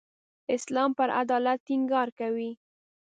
اسلام پر عدالت ټینګار کوي.